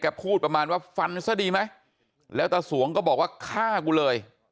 พูดประมาณว่าฟันซะดีไหมแล้วตาสวงก็บอกว่าฆ่ากูเลย